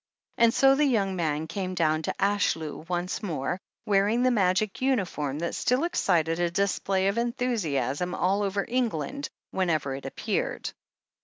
And so the yoimg man came down to Ashlew once more, wearing the* magic tmiform that still excited a display of enthusiasm all over England whenever it appeared.